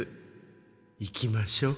行きましょう。